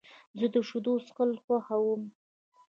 زه د شیدو څښل خوښوم.